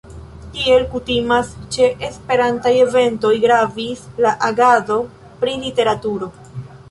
Kiel kutimas ĉe esperantaj eventoj gravis la agado pri literaturo.